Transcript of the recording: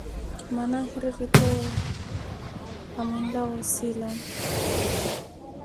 Mmana n`hiretti toowo khamwinlawa osiilana.